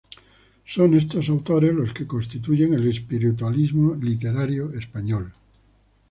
Son estos autores los que constituyen el espiritualismo literario español.